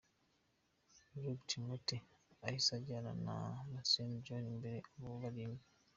Rugg Timothy yahise ajyana na Montshioa Jan imbere baba barindwi.